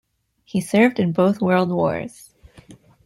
He served in both world wars.